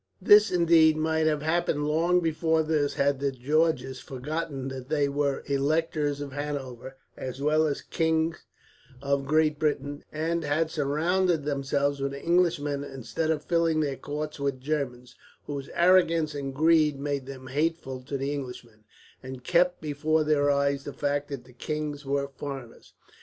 "This, indeed, might have happened long before this, had the Georges forgotten that they were Electors of Hanover as well as Kings of Great Britain; and had surrounded themselves with Englishmen instead of filling their courts with Germans, whose arrogance and greed made them hateful to Englishmen, and kept before their eyes the fact that their kings were foreigners.